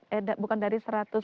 eh bukan dari seratus